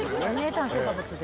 炭水化物で。